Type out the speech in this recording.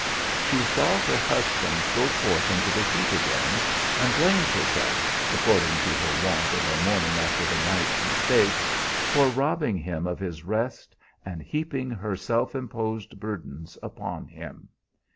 She saw her husband go forth into the heat again, and blamed herself, according to her wont of a morning after the night's mistakes, for robbing him of his rest and heaping her self imposed burdens upon him.